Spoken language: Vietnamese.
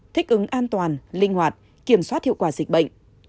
thích ứng an toàn linh hoạt kiểm soát hiệu quả dịch bệnh